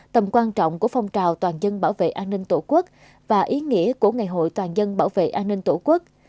tầm quan trọng của phong trào toàn dân bảo vệ an ninh tổ quốc và ý nghĩa của ngày hội toàn dân bảo vệ an ninh tổ quốc